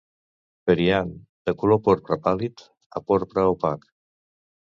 Periant de color porpra pàl·lid a porpra opac.